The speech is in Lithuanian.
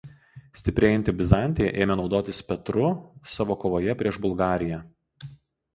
Stiprėjanti Bizantija ėmė naudotis Petru savo kovoje prieš Bulgariją.